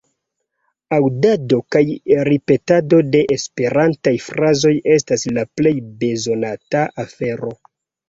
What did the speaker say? Aŭdado kaj ripetado de esperantaj frazoj estas la plej bezonata afero.